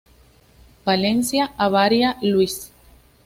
Valencia Avaria, Luis.